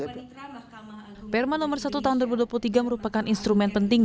perma nomor satu tahun dua ribu dua puluh tiga merupakan instrumen penting